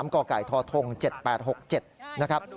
กไก่ทธ๗๘๖๗นะครับ